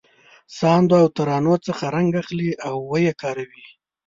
ساندو او ترانو څخه رنګ اخلي او یې کاروي.